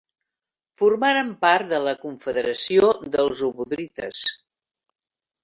Formaren part de la confederació dels obodrites.